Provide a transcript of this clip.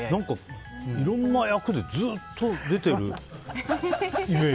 いろんな役でずっと出てるイメージ。